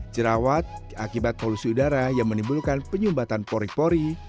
jerawat akibat polusi udara yang menimbulkan penyumbatan pori pori